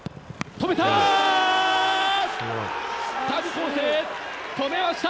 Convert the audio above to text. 止めた！